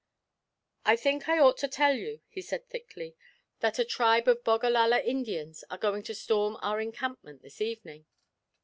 'I think I ought to tell you,' he said thickly, 'that a tribe of Bogallala Indians are going to storm our encampment this evening.'